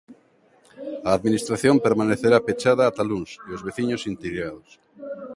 A administración permanecerá pechada ata luns e os veciños intrigados.